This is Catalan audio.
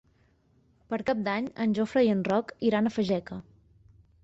Per Cap d'Any en Jofre i en Roc iran a Fageca.